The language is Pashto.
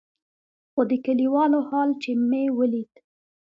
خو د کليوالو حال چې مې وليد.